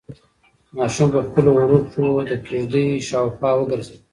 ماشوم په خپلو وړو پښو د کيږدۍ شاوخوا وګرځېد.